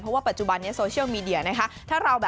เพราะว่าปัจจุบันนี้โซเชียลมีเดียนะคะ